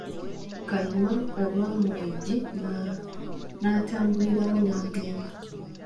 Kayima olwamuwa eggi n'atambulirawo n'agenda.